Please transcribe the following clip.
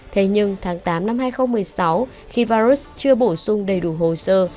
thế nhưng tháng tám năm hai nghìn một mươi sáu khi varus chưa bổ sung đầy đủ hồ sơ